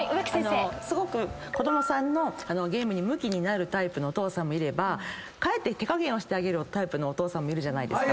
すごく子供さんのゲームにムキになるタイプのお父さんもいればかえって手加減をしてあげるタイプのお父さんもいるじゃないですか。